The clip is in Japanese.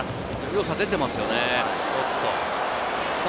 良さが出てすよね。